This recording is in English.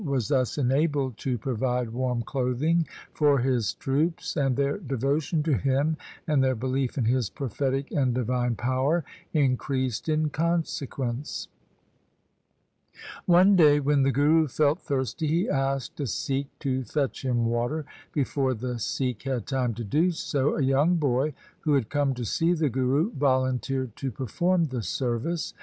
LIFE OF GURU GOBIND SINGH 123 thus enabled to provide warm clothing for his troops, and their devotion to him and their belief in his prophetic and divine power increased in consequence. One day when the Guru felt thirsty, he asked a Sikh to fetch him water. Before the Sikh had time to do so, a young boy, who had come to see the Guru, volunteered to perform the service.